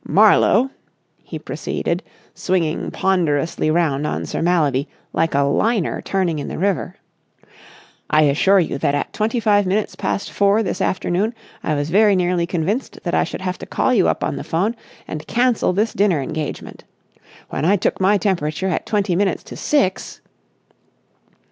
Marlowe," he proceeded, swinging ponderously round on Sir Mallaby like a liner turning in the river, "I assure you that at twenty five minutes past four this afternoon I was very nearly convinced that I should have to call you up on the 'phone and cancel this dinner engagement. When I took my temperature at twenty minutes to six...."